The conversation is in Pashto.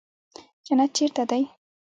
جنت چېرته دى.